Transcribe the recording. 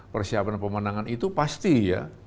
persiapan pemenangan itu pasti ya